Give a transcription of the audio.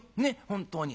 本当に。